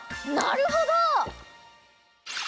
なるほど！